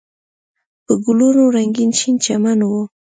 په ګلونو رنګین شین چمن و.